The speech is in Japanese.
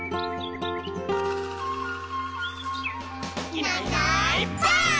「いないいないばあっ！」